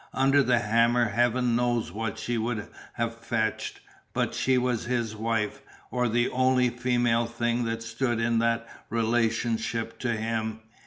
Under the hammer heaven knows what she would have fetched, but she was his wife, or the only female thing that stood in that relationship to him.